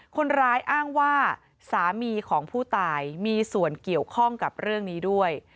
คนร้ายอ้างว่าสามีของผู้ตายมีส่วนเกี่ยวข้องกับเรื่องนี้ด้วย